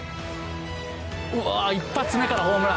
うわー、１発目からホームラン。